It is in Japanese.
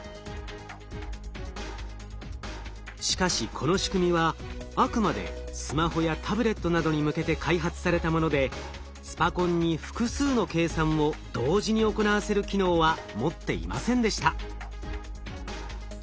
しかしこの仕組みはあくまでスマホやタブレットなどに向けて開発されたものでスパコンに複数の計算を同時に行わせる機能は持っていませんでした。